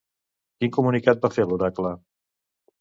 Quin comunicat va fer l'oracle?